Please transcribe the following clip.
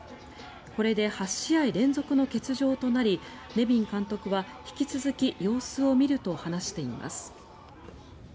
これで８試合連続の欠場となりネビン監督は引き続き様子を見ると話しています。